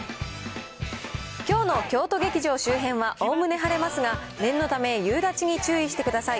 きょうの京都劇場周辺は、おおむね晴れますが、念のため夕立に注意してください。